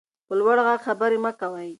په لوړ غږ خبرې مه کوئ.